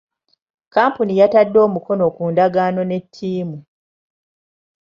Kkampuni yatadde omukono ku ndagaano ne ttiimu.